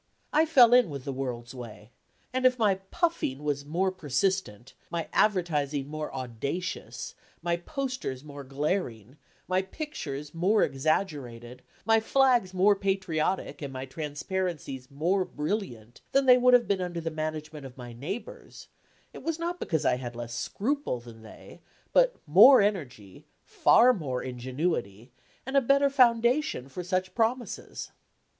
I fell in with the world's way; and if my "puffing" was more persistent, my advertising more audacious, my posters more glaring, my pictures more exaggerated, my flags more patriotic and my transparencies more brilliant than they would have been under the management of my neighbors, it was not because I had less scruple than they, but more energy, far more ingenuity, and a better foundation for such promises.